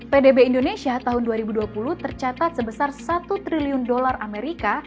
pdb indonesia tahun dua ribu dua puluh tercatat sebesar satu triliun dolar amerika